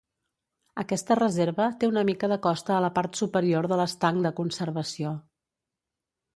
Aquesta reserva té una mica de costa a la part superior de l'estanc de conservació.